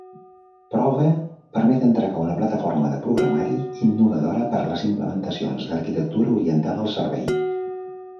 Prova permet entregar una plataforma de programari innovadora per les implementacions d'arquitectura orientada al servei.